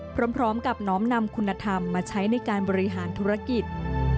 พร้อมกับน้อมนำคุณธรรมมาใช้ในการบริหารธุรกิจ